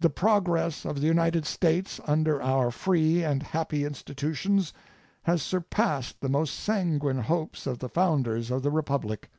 The progress of the United States under our free and happy institutions has surpassed the most sanguine hopes of the founders of the Republic.